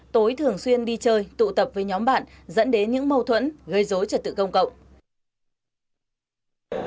tối thường xuyên đi chơi tụ tập với nhóm bạn dẫn đến những mâu thuẫn gây dối trật tự công cộng